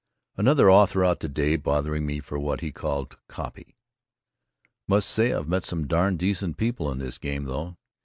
Another author out to day bothering me for what he called "copy." Must say I've met some darn decent people in this game though.